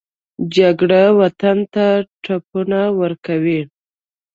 جګړه وطن ته ټپونه ورکوي